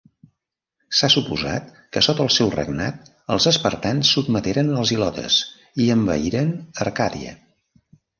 S'ha suposat que sota el seu regnat els espartans sotmeteren els ilotes i envaïren Arcàdia.